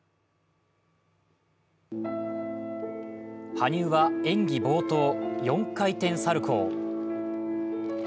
羽生は演技冒頭、４回転サルコウ。